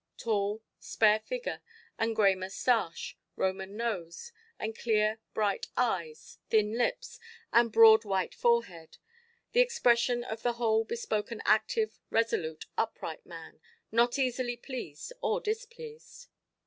Tall, spare figure, and grey moustache, Roman nose, and clear, bright eyes, thin lips, and broad white forehead—the expression of the whole bespoke an active, resolute, upright man, not easily pleased or displeased.